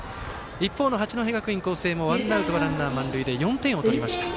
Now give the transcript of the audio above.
一方の八戸学院光星もワンアウト、ランナー満塁で４点を取りました。